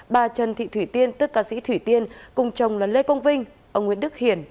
bà trần thị thủy tiên tức ca sĩ thủy tiên cùng chồng là lê công vinh ông nguyễn đức hiển